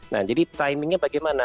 nah jadi timingnya bagaimana